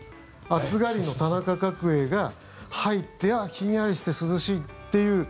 暑がりの田中角栄が入ってひんやりして涼しいっていう。